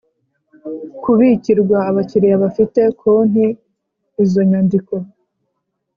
Kubikirwa abakiriya bafite konti izo nyandiko